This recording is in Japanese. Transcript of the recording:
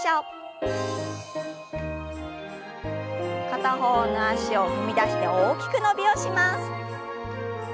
片方の脚を踏み出して大きく伸びをします。